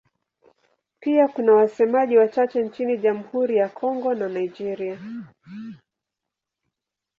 Pia kuna wasemaji wachache nchini Jamhuri ya Kongo na Nigeria.